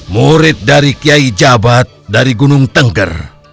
murid dari kiai jabat dari gunung tengger